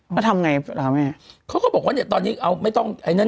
จะทำไงบ้างเขาก็บอกว่าเนี้ยตอนนี้เอาไม่ต้องไอ้นั่น